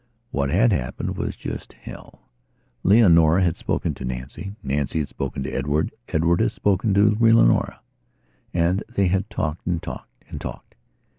What had happened was just Hell. Leonora had spoken to Nancy; Nancy had spoken to Edward; Edward had spoken to Leonoraand they had talked and talked. And talked.